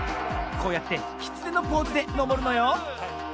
こうやってきつねのポーズでのぼるのよ。